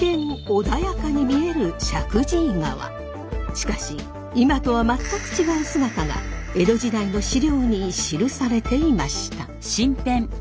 しかし今とは全く違う姿が江戸時代の資料に記されていました。